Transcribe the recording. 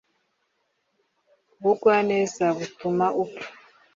Ubugwaneza butuma upfa